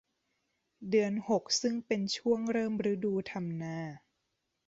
เดือนหกซึ่งเป็นช่วงเริ่มฤดูทำนา